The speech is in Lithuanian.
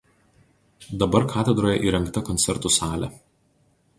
Dabar katedroje įrengta koncertų salė.